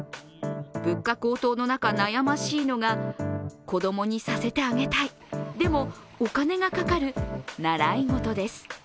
物価高騰の中、悩ましいのが子供にさせてあげたいでもお金がかかる習い事です。